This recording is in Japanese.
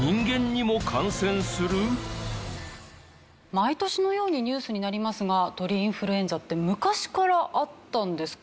毎年のようにニュースになりますが鳥インフルエンザって昔からあったんですか？